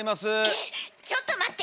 えっちょっと待って！